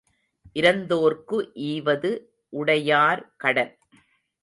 இரந்தோர்க்கு ஈவது உடையார் கடன்.